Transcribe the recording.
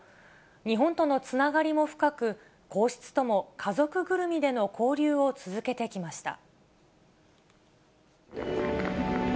日本とのつながりも深く、皇室とも家族ぐるみでの交流を続けてきました。